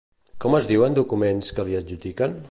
Com es diuen documents que li adjudiquen?